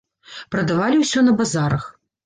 Прадавалі ўсё на базарах.